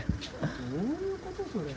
どういうこと、それ。